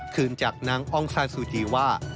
คืนจากนางองซานซูจีว่า